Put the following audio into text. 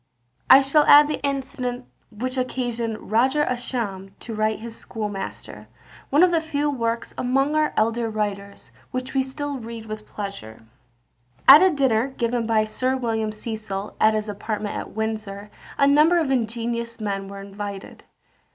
I shall add the incident which occasioned Roger Ascham to write his Schoolmaster, one of the few works among our elder writers, which we still read with pleasure. At a dinner given by Sir William Cecil, at his apartments at Windsor, a number of ingenious men were invited.